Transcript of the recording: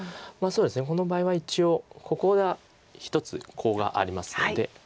この場合は一応ここが１つコウがありますので。